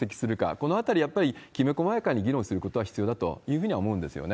このあたり、やっぱりきめこまやかに議論することが必要だというふうには思うんですよね。